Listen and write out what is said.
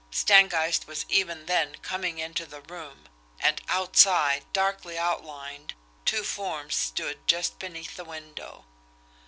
Stangeist was even then coming into the room and OUTSIDE, darkly outlined, two forms stood just beneath the window.